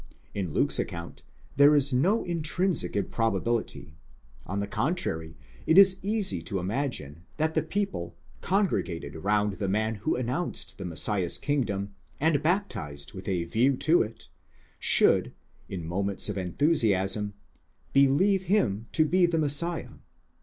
In Luke's account there is no intrinsic improbability ; on the contrary it is easy to imagine, that the people, congregated round the man who announced the Messiah's kingdom, and baptized with a view to it, should, in moments of enthusiasm, believe him to be the Messiah.